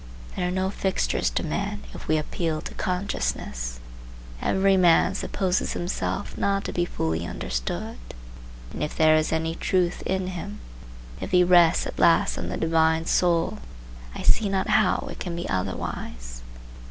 There are no fixtures to men, if we appeal to consciousness. Every man supposes himself not to be fully understood; and if there is any truth in him, if he rests at last on the divine soul, I see not how it can be otherwise.